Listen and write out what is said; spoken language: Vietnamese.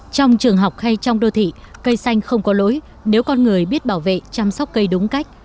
trong trường học hay trong đô thị cây xanh không có lỗi nếu con người biết bảo vệ chăm sóc cây đúng cách